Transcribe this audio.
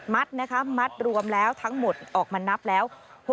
๓๒๘มัตต์นะครับมัตต์รวมแล้วทั้งหมดออกมานับแล้ว